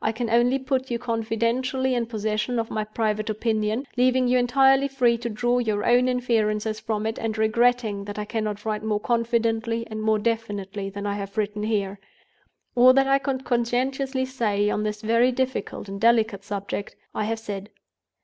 I can only put you confidentially in possession of my private opinion, leaving you entirely free to draw your own inferences from it, and regretting that I cannot write more confidently and more definitely than I have written here. All that I could conscientiously say on this very difficult and delicate subject, I have said.